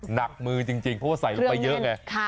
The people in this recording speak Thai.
หนักมือจริงเพราะว่าใส่ลงไปเยอะไง